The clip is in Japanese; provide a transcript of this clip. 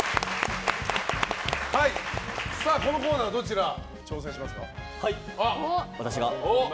このコーナーはどちらが挑戦しますか？